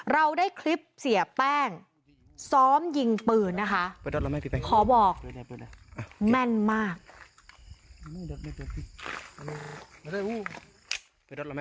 เราได้คลิปเสียแป้งซ้อมยิงปืนนะคะ